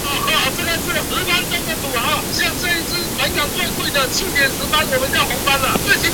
杨锡宗是岭南乃至中国近代最早接受建筑学专业教育和最早回国服务的建筑师之一。